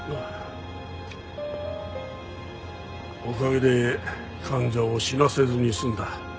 おかげで患者を死なせずに済んだ。